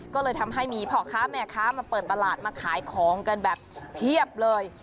ก็เลยทำให้มีพ่อค้าแม่ค้ามาเปิดตลาดมาขายของกันแบบเพียบเลย